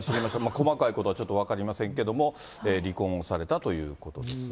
細かいことはちょっと分かりませんけども、離婚をされたということですね。